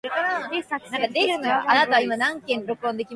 He succeeded his brother Louis.